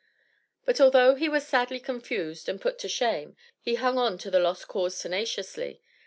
But although he was sadly confused and put to shame, he hung on to the "lost cause" tenaciously.